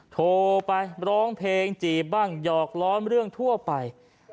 โทรไปร้องเพลงจีบบ้างหยอกล้อนเรื่องทั่วไป